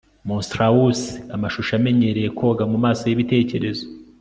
Monstrous amashusho amenyereye koga mumaso yibitekerezo